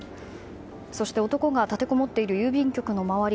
そして男が立てこもっている郵便局の周り